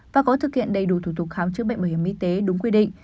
và có thực hiện đầy đủ thủ tục khám chữa bệnh bảo hiểm y tế đúng quy định